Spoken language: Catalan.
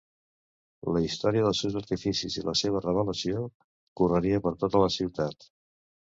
La història dels seus artificis i la seva revelació correria per tota la ciutat.